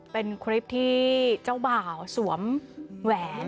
เป็นคลิปที่เจ้าบ่าวสวมแหวน